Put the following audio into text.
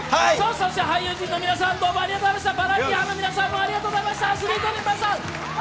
そして俳優陣の皆さん、どうもありがとうございました。